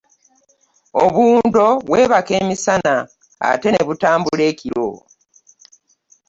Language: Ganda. Obuwundo bwebaka emisana ate ne butambula ekiro.